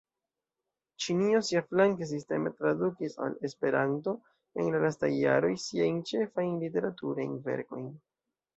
Ĉinio siaflanke sisteme tradukis al Esperanto, en la lastaj jaroj, siajn ĉefajn literaturajn verkojn.